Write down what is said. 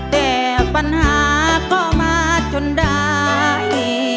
แต่ปัญหาก็มาจนได้